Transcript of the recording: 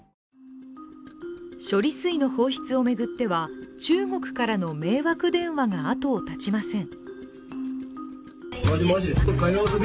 処理水の放出を巡っては、中国からの迷惑電話があとを絶ちません。